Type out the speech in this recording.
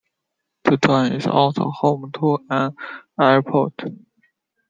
The town is also home to an airport.